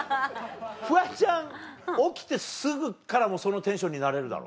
フワちゃん起きてすぐからもうそのテンションになれるだろ？